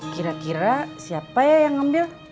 kira kira siapa ya yang ngambil